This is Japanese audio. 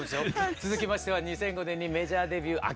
続きましては２００５年にメジャーデビュー秋元順子さんです。